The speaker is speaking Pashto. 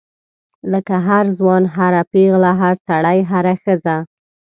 لکه هر ځوان هر پیغله هر سړی هره ښځه.